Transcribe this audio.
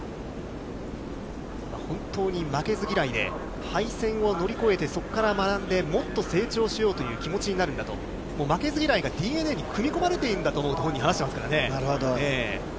本当に負けず嫌いで、敗戦を乗り越えて、そこから学んでもっと成長しようという気持ちになるんだと、負けず嫌いがＤＮＡに組み込まれているんだと本人話していますかなるほど。